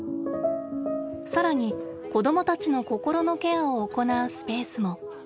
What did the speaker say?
更に子どもたちのこころのケアをおこなうスペースも。